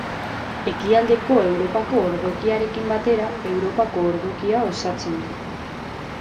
Ekialdeko Europako ordokiarekin batera Europako ordokia osatzen du.